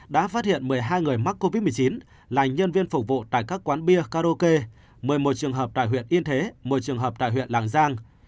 đã phát hiện một mươi hai người mắc covid một mươi chín là nhân viên phục vụ tại các quán bia karaoke một mươi một trường hợp tại huyện yên thế một mươi trường hợp tại huyện làng giang